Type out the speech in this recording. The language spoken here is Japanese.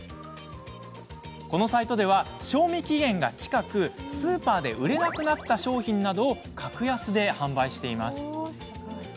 このサイトでは賞味期限が近く、スーパーで売れなくなった商品などを格安で販売しています。